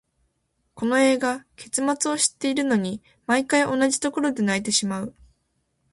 この映画、結末を知っているのに、毎回同じところで泣いてしまう。